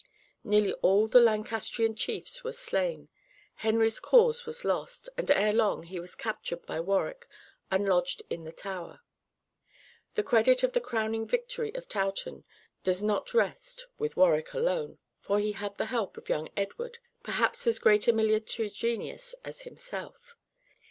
Nearly all the Lancastrian chiefs were slain, Henry's cause was lost, and ere long he was captured by Warwick and lodged in the Tower. The credit of the crowning victory of Towton does not rest with Warwick alone, for he had the help of young Edward, perhaps as great a military genius as himself.